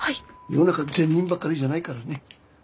世の中善人ばかりじゃないからね。